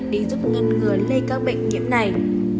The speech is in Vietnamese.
để giúp ngân ngừa lây các bệnh nhiễm này